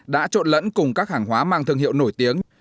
đã trộn lẫn cùng các hàng hóa mang thương hiệu nổi tiếng